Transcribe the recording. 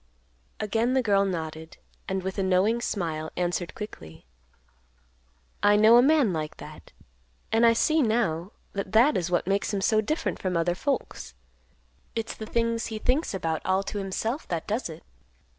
Again the girl nodded, and, with a knowing smile, answered quickly, "I know a man like that. And I see now that that is what makes him so different from other folks. It's the things he thinks about all to himself that does it.